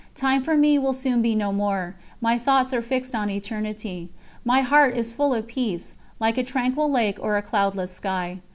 Time for me will soon be no more, my thoughts are fixed on Eternity. My heart is full of peace, like a tranquil lake or a cloudless sky.